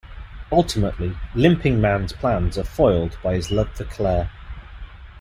Ultimately, Limping Man's plans are foiled by his love for Claire.